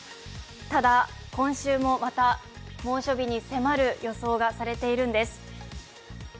ただ、今週もまた猛暑日に迫る予想がされているんです。